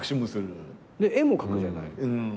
で絵も描くじゃない？